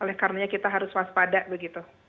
oleh karenanya kita harus waspada begitu